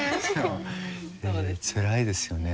つらいですよね。